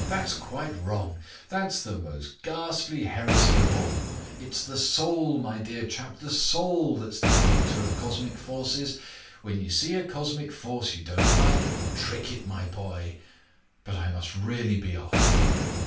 "That's quite wrong. That's the most ghastly heresy of all. It's the soul, my dear chap, the soul that's the arbiter of cosmic forces. When you see a cosmic force you don't like, trick it, my boy. But I must really be off."